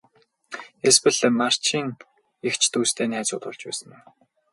Эсвэл Марчийн эгч дүүстэй найзууд болж байсан уу?